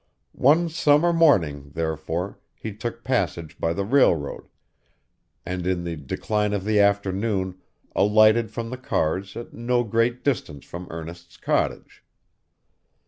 One summer morning, therefore, he took passage by the railroad, and, in the decline of the afternoon, alighted from the cars at no great distance from Ernest's cottage.